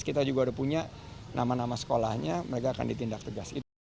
kita juga udah punya nama nama sekolahnya mereka akan ditindak tegas